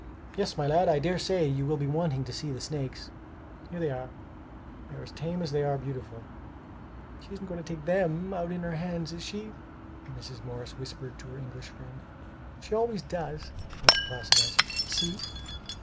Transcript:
Yes, my lad, I dare say you will be wanting to see the snakes. Here they are. They are as tame as they are beautiful." "She isn't going to take them out in her hands, is she?" Mrs. Morris whispered to her English friend. "She always does," was the placid answer. "See!"